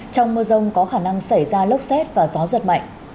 trong mưa rông có khả năng xảy ra lốc xét và gió giật mạnh